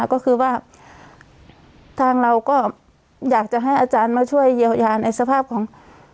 ก็คือว่าทางเราก็อยากจะให้อาจารย์มาช่วยเยียวยาในสภาพของ